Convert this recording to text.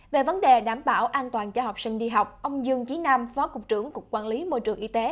về vấn đề đảm bảo an toàn cho học sinh đi học ông dương trí nam phó cục trưởng cục quản lý môi trường y tế